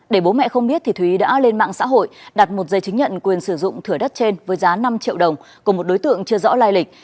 để bố mẹ không biết thúy đã lên mạng xã hội đặt một giấy chứng nhận quyền sử dụng thửa đất trên với giá năm triệu đồng của một đối tượng chưa rõ lai lịch